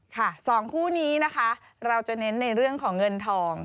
สองคู่นี้นะคะเราจะเน้นในเรื่องของเงินทอง